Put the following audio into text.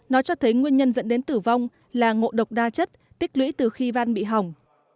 nó cho thấy nguyên nhân dẫn đến tử vong là ngộ độc đa chất tích lũy từ khi van bị hỏng